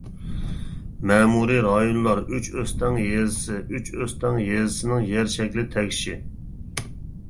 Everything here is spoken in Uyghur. مەمۇرىي رايونلار ئۈچئۆستەڭ يېزىسى ئۈچئۆستەڭ يېزىسىنىڭ يەر شەكلى تەكشى.